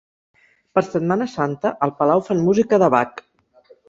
Per Setmana Santa, al Palau fan música de Bach.